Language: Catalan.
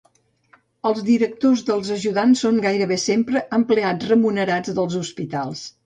Els directors dels ajudants són gairebé sempre empleats remunerats dels hospitals.